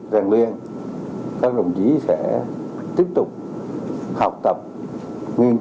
rằng các đồng chí sẽ tiếp tục học tập nghiên cứu